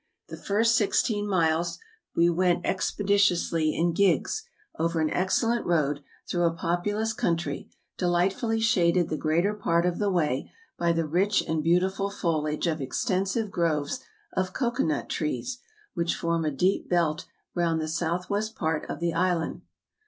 The first sixteen miles we went expeditiously in gigs, over an excellent road, through a populous country, delightfully shaded the greater part of the way by the rich and beautiful foliage of extensive groves of cocoa nut trees, which form a deep belt round the south west part of the island.